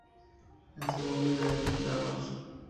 El segundo ingrediente es el arroz.